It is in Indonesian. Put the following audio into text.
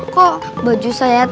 kok baju saya